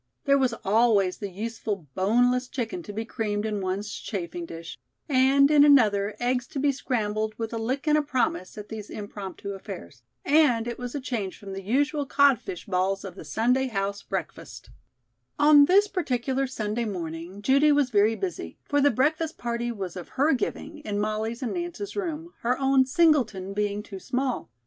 There was always the useful boneless chicken to be creamed in one's chafing dish; and in another, eggs to be scrambled with a lick and a promise, at these impromptu affairs; and it was a change from the usual codfish balls of the Sunday house breakfast. [Illustration: It was quite the custom for girls to prepare breakfast in their rooms. Page 152.] On this particular Sunday morning, Judy was very busy; for the breakfast party was of her giving, in Molly's and Nance's room; her own "singleton" being too small.